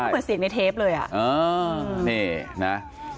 เป็นเสียงในเทปเลยอะนี่นะ